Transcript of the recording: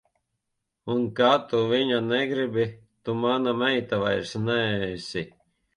Un kad tu viņa negribi, tu mana meita vairs neesi.